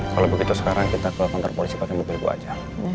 kalau begitu sekarang kita ke kantor polisi pakai mobil gue aja